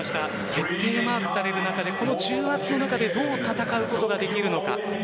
徹底マークされる中で重圧の中でどう戦うことができるのか。